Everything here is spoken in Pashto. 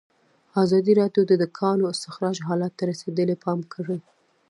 ازادي راډیو د د کانونو استخراج حالت ته رسېدلي پام کړی.